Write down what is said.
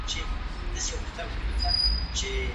عرضه د توکو مقدار ټاکي.